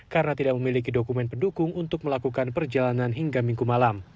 karena tidak memiliki dokumen pendukung untuk melakukan perjalanan hingga minggu malam